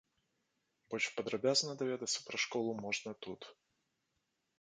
Больш падрабязна даведацца пра школу можна тут.